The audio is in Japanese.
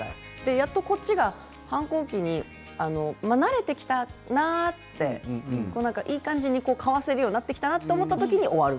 やっとこっちが反抗期に慣れてきたなといい感じにかわせるようになってきたなと思った時に終わる。